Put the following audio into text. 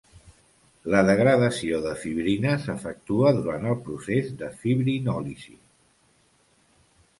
La degradació de fibrina s’efectua durant el procés de fibrinòlisi.